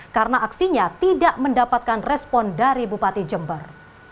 karena aksinya tidak mendapatkan respon dari bupati jember